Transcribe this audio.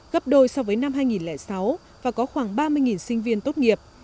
gấp đôi so với năm hai nghìn sáu và có khoảng ba mươi sinh viên tốt nghiệp